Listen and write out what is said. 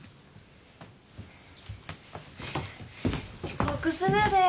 遅刻するで。